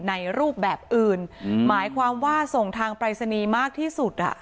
ในรูปแบบอื่นหมายความว่าส่งทางปรายศนีย์มากที่สุดอ่ะ